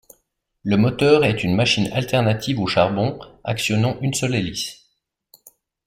Le moteur est une machine alternative au charbon actionnant une seule hélice.